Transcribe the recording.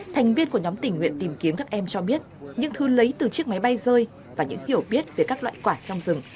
thành viên của nhóm tỉnh nguyện tìm kiếm các em cho biết những thứ lấy từ chiếc máy bay rơi và những hiểu biết về các loại quả trong rừng